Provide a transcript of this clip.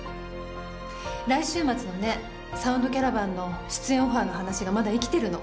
来週末のね「サウンドキャラバン」の出演オファーの話がまだ生きてるの。